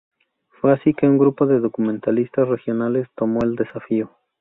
Fue así que un grupo de documentalistas regionales tomó el desafío.